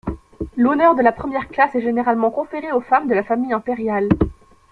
L'honneur de la première classe est généralement conféré aux femmes de la famille impériale.